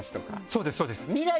そうですそうです。